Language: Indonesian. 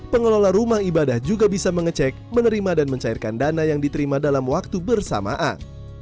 pengelola rumah ibadah juga bisa mengecek menerima dan mencairkan dana yang diterima dalam waktu bersamaan